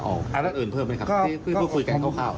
ออกมาจากก็เค้าเรียกมาแล้วก็มา